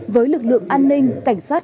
với lực lượng an ninh cảnh sát